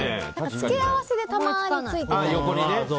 付け合わせでたまについてたりはね。